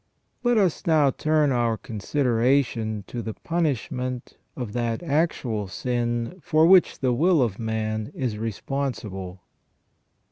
Let us now turn our consideration to the punishment of that actual sin for which the will of man is responsible.